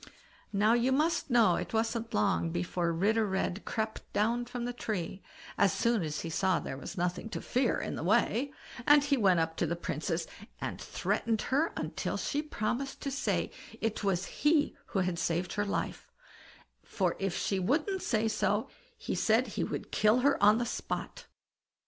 Now you must know, it wasn't long before Ritter Red crept down from the tree, as soon as he saw there was nothing to fear in the way, and he went up to the Princess and threatened her until she promised to say it was he who had saved her life; for if she wouldn't say so, he said he would kill her on the spot.